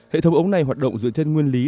hệ thống ống này hoạt động dựa trên nguyên lý